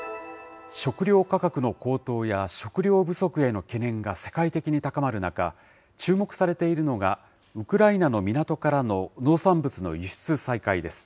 食料価格の高騰や食料不足への懸念が世界的に高まる中、注目されているのが、ウクライナの港からの農産物の輸出再開です。